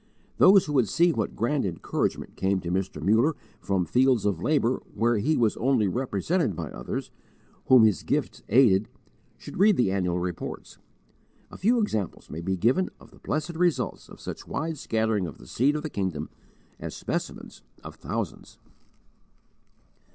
Those who would see what grand encouragement came to Mr. Muller from fields of labour where he was only represented by others, whom his gift's aided, should read the annual reports. A few examples may be given of the blessed results of such wide scattering of the seed of the kingdom, as specimens of thousands.